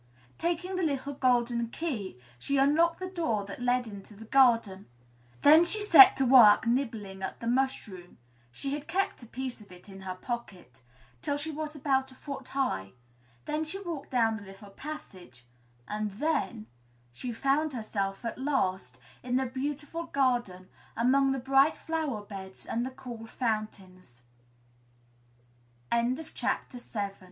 Taking the little golden key, she unlocked the door that led into the garden. Then she set to work nibbling at the mushroom (she had kept a piece of it in her pocket) till she was about a foot high; then she walked down the little passage; and then she found herself at last in the beautiful garden, among the bri